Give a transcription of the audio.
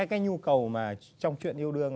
cái nhu cầu mà trong chuyện yêu đương